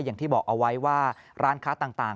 อย่างที่บอกเอาไว้ว่าร้านค้าต่าง